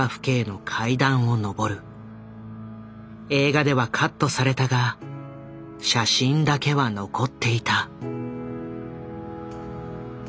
映画ではカットされたが写真だけは残っていた。